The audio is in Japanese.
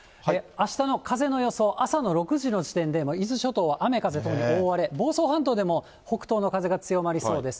あしたの風の予想、朝の６時の時点でもう伊豆諸島は雨風ともに大荒れ、房総半島でも北東の風が強まりそうです。